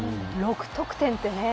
６得点ってね